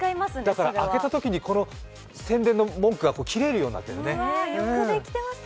だから、開けたときに宣伝の文句が切れるようになっているのね。